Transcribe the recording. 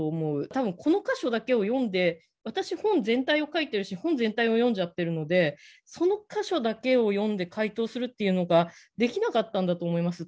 多分この箇所だけを読んで私本全体を書いてるし本全体を読んじゃってるのでその箇所だけを読んで解答するっていうのができなかったんだと思います。